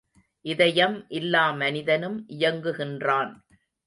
இதயம் இல்லா மனிதனும் இயங்குகின்றான்.